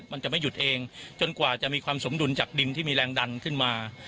มันจะไม่หยุดเองจนกว่าจะมีความสมดุลจากดินที่มีแรงดันขึ้นมา